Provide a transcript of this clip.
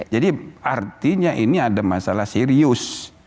jadi artinya ini ada masalah serius